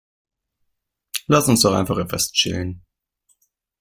Lass uns doch einfach etwas chillen.